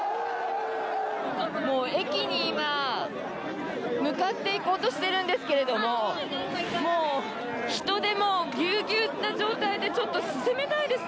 駅に向かっていこうとしているんですけれど人でもうぎゅうぎゅうな状態でちょっと進めないですね。